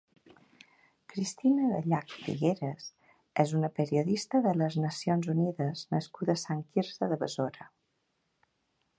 Cristina Gallach Figueres és una periodista de les Nacions Unides nascuda a Sant Quirze de Besora.